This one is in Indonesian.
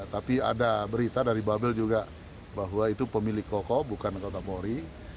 tapi ada berita dari babel juga bahwa itu pemilik koko bukan anggota polri